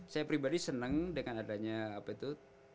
saya pribadi senang dengan adanya apa itu